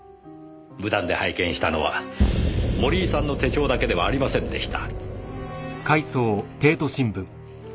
無断で拝見したのは森井さんの手帳だけではありませんでした。